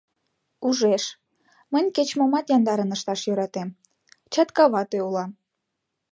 Ужеш: мынь кеч-момат яндарын ышташ йӧратем, чатка вате улам.